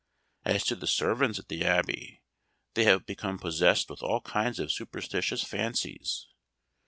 As to the servants at the Abbey, they have become possessed with all kinds of superstitious fancies.